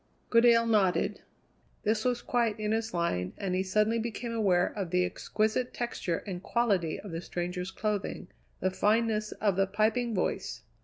Goodale nodded. This was quite in his line, and he suddenly became aware of the exquisite texture and quality of the stranger's clothing; the fineness of the piping voice.